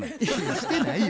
してないよ。